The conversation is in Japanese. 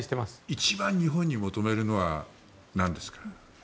一番、日本に求めるのはなんですか？